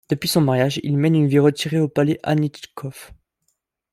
Depuis son mariage, il mène une vie retirée au palais Anitchkov.